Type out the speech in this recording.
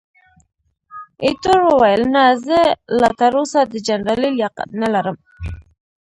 ایټور وویل، نه، زه لا تراوسه د جنرالۍ لیاقت نه لرم.